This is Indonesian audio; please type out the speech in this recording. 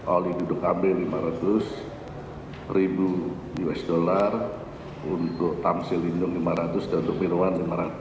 oli duduk ab lima ratus ribu usd untuk tamsil lindung lima ratus dan untuk minuman lima ratus